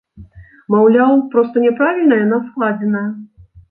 Маўляў, проста няправільна яна складзеная.